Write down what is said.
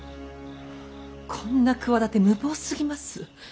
こんな企て無謀すぎます。